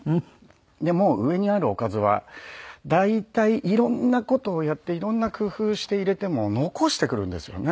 でもう上にあるおかずは大体色んな事をやって色んな工夫して入れても残してくるんですよね。